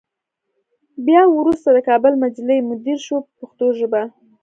بیا وروسته د کابل مجلې مدیر شو په پښتو ژبه.